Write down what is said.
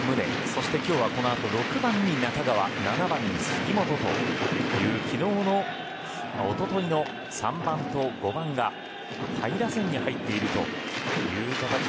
そして今日はこのあと６番に中川７番に杉本というおとといの３番と５番が下位打線に入っているという形。